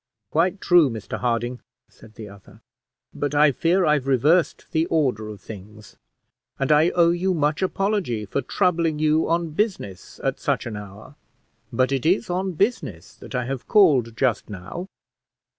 "Quite true, Mr Harding," said the other; "but I fear I've reversed the order of things, and I owe you much apology for troubling you on business at such an hour; but it is on business that I have called just now."